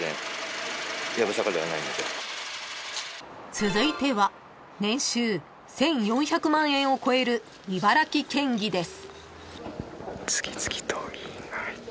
［続いては年収１，４００万円を超える茨城県議です］